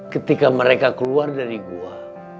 ketika mereka keluar dari gua